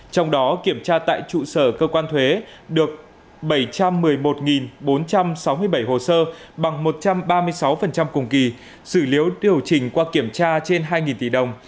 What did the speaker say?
trong đó kiểm tra tại trụ sở cơ quan thuế được bảy trăm một mươi một bốn trăm sáu mươi bảy hồ sơ bằng một trăm ba mươi sáu cùng kỳ xử lý điều chỉnh qua kiểm tra trên hai tỷ đồng